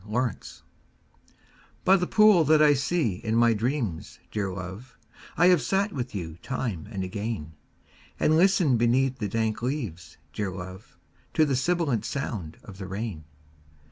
THE POOL By the pool that I see in my dreams, dear love, I have sat with you time and again; And listened beneath the dank leaves, dear love, To the sibilant sound of the rain.